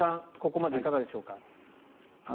ここまでいかがでしょうか？